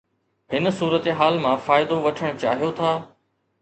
هن صورتحال مان فائدو وٺڻ چاهيو ٿا